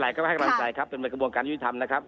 ก็ไม่ให้กำลังใจครับจนเป็นกระบวนการยุติธรรมนะครับ